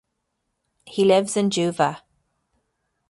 He lives in Juva.